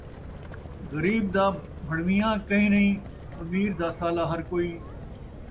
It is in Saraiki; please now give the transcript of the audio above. غریب دا بھݨویاں کئی نئیں ، امیر دا سالا ہر کئی